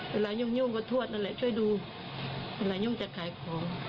ยุ่งก็ทวดนั่นแหละช่วยดูเวลายุ่งจะขายของ